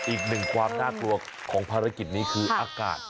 อีกหนึ่งความน่ากลัวของภารกิจนี้คืออากาศ